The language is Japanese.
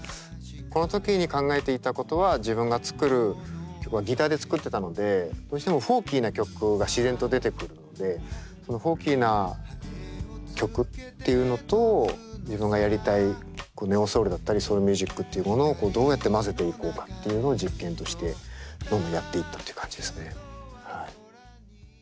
この時に考えていたことは自分が作る曲はギターで作ってたのでどうしてもフォーキーな曲が自然と出てくるのでそのフォーキーな曲っていうのと自分がやりたいネオソウルだったりソウルミュージックっていうものをどうやって混ぜていこうかっていうのを実験としてどんどんやっていったっていう感じですね。